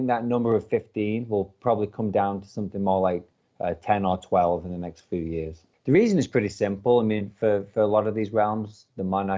alasan yang cukup sederhana